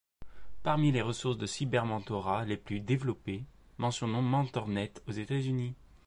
Parmi les ressources de cybermentorat les plus développées, mentionnons MentorNet aux États-Unis.